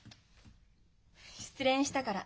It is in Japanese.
失恋したから。